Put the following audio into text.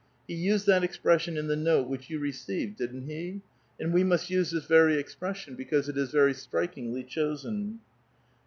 He used that expression in the note which you received ; didn't he ? and we must use this very same expression, because it is very strikingly chosen."